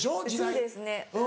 そうですね。